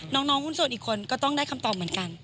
น้องหุ้นส่วนอีกคนก็ต้องได้คำตอบเหมือนกัน